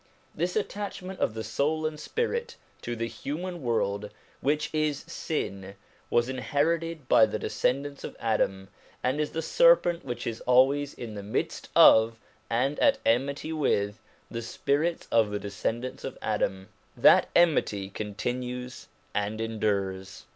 This attach ment of the soul and spirit to the human world, which is sin, was inherited by the descendants of Adam, and is the serpent which is always in the midst of, and at enmity with, the spirits of the descendants of Adam. That enmity continues and endures.